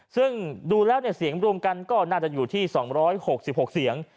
ซึ่งดูแล้วเสียงรวมกันก็น่าจะอยู่ที่๒๖๖เสียง